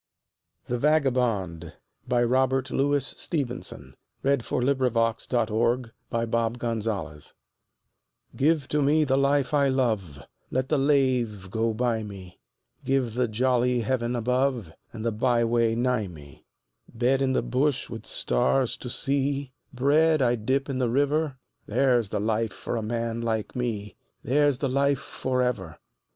Other Verses by Robert Louis Stevenson ITHE VAGABOND (To an air of Schubert) GIVE to me the life I love, Let the lave go by me, Give the jolly heaven above And the byway nigh me. Bed in the bush with stars to see, Bread I dip in the river There's the life for a man like me, There's the life for ever.